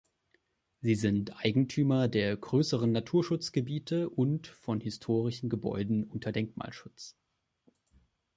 Sie sind Eigentümer der größeren Naturschutzgebiete und von historischen Gebäuden unter Denkmalschutz.